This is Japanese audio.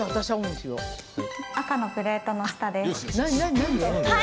赤のプレートの下です。